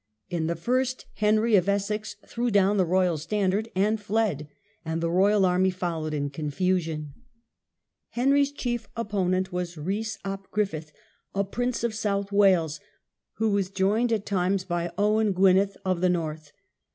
In the first Henry of Welsh wars. Essex threw down the royal standard and fled, and the royal army followed in confusion. Henry's chief opponent was Rhys ap Gruffydd, a prince of South Wales, who was joined at times by Owen Gwynnedd of the North.